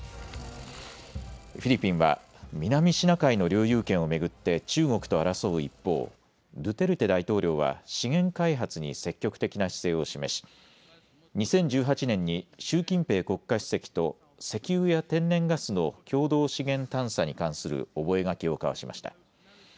フィリピンは南シナ海の領有権を巡って中国と争う一方ドゥテルテ大統領は資源開発に積極的な姿勢を示し２０１８年に習近平国家主席と石油や天然ガスの共同資源探査に関する覚書を交わしました。